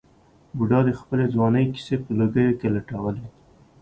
بوډا د خپلې ځوانۍ کیسې په لوګیو کې لټولې.